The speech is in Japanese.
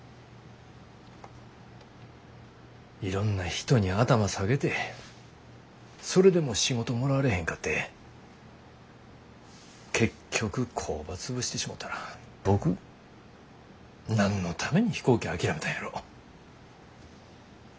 いろんな人に頭下げてそれでも仕事もらわれへんかって結局工場潰してしもたら僕何のために飛行機諦めたんやろ。